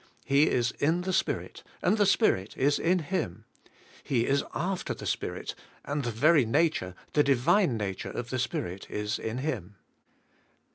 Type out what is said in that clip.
He is in the Spirit and the Spirit is in him. He is after the Spirit and the very nature, the divine nature of the Spirit is in him.